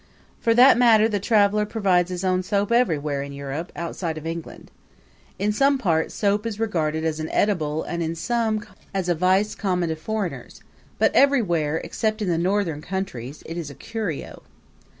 For that matter the traveler provides his own soap everywhere in Europe, outside of England. In some parts soap is regarded as an edible and in some as a vice common to foreigners; but everywhere except in the northern countries it is a curio.